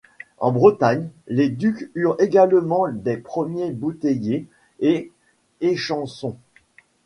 En Bretagne, les ducs eurent également des premier bouteiller et échanson.